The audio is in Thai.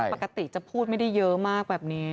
ปกติจะพูดไม่ได้เยอะมากแบบนี้